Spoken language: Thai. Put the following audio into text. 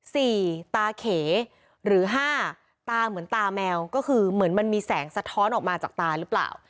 ตาเขหรือห้าตาเหมือนตาแมวก็คือเหมือนมันมีแสงสะท้อนออกมาจากตาหรือเปล่า